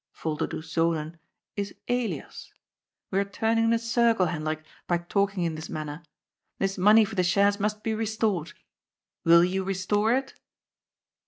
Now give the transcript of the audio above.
" Volderdoes Zonen is Elias. We are turning in a circle, Hendrik, by talking in this manner. This money for the shares must be restored. Will you restore it?